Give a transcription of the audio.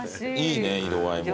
いいね色合いも。